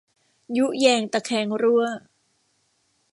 ยุแยงตะแคงรั่ว